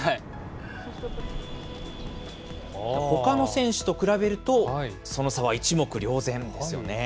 ほかの選手と比べると、その差は一目瞭然ですよね。